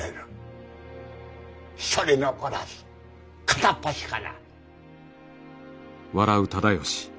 一人残らず片っ端から。